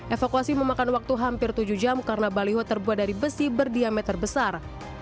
evakuasi memakan waktu hampir tujuh jam karena baliho terbuat dari besi berdiameter besar